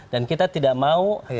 dan kita tidak mau